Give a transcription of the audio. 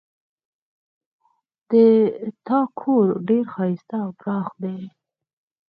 د تا کور ډېر ښایسته او پراخ ده